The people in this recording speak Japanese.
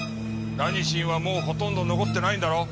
ラニシンはもうほとんど残ってないんだろう？